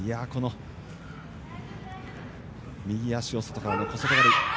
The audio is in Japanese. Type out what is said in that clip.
右足を外からの小外刈り。